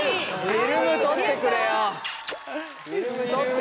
フィルム取ってくれって。